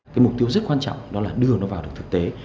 cái mục tiêu rất quan trọng đó là đưa nó vào được thực tế